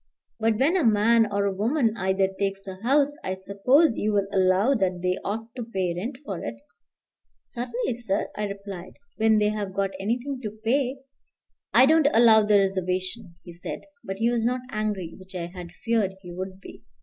"But when a man, or a woman either, takes a house, I suppose you will allow that they ought to pay rent for it." "Certainly, sir," I replied, "when they have got anything to pay." "I don't allow the reservation," he said. But he was not angry, which I had feared he would be.